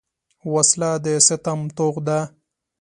وسله د ستم توغ ده